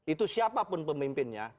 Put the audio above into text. itu siapapun pemimpinnya